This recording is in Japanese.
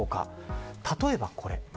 例えば、これ。